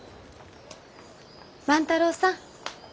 万太郎さん。